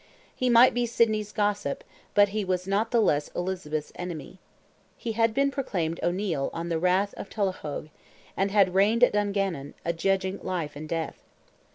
He might be Sidney's gossip, but he was not the less Elizabeth's enemy. He had been proclaimed "O'Neil" on the rath of Tullahoge, and had reigned at Dungannon, adjudging life and death.